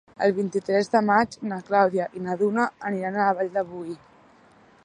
El vint-i-tres de maig na Clàudia i na Duna aniran a la Vall de Boí.